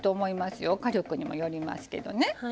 火力にもよりますけどね。